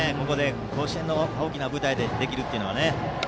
甲子園の大きな舞台でできるのは。